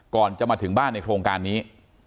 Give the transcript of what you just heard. ก่อนจะมาถึงบ้านในโครงการนี้